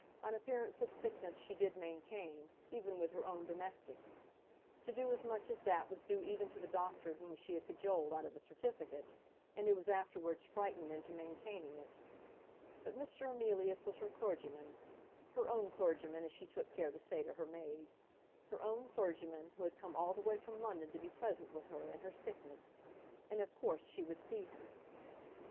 An appearance of sickness she did maintain, even with her own domestics. To do as much as that was due even to the doctor whom she had cajoled out of the certificate, and who was afterwards frightened into maintaining it. But Mr. Emilius was her clergyman, her own clergyman, as she took care to say to her maid, her own clergyman, who had come all the way from London to be present with her in her sickness; and of course she would see him.